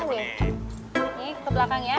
ini ke belakang ya